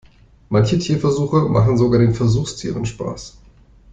Manche Tierversuche machen sogar den Versuchstieren Spaß.